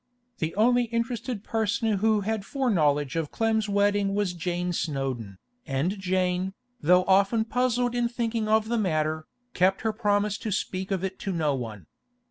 The only interested person who had foreknowledge of Clem's wedding was Jane Snowdon, and Jane, though often puzzled in thinking of the matter, kept her promise to speak of it to no one.